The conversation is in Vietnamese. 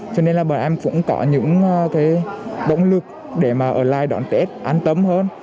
cho nên là bọn em cũng có những cái động lực để mà ở lại đón tết an tâm hơn